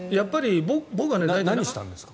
何したんですか？